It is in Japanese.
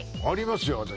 ありますよ